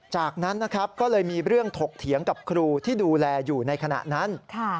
จากนั้นนะครับก็เลยมีเรื่องถกเถียงกับครูที่ดูแลอยู่ในขณะนั้น